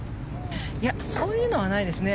そういうのはないですね。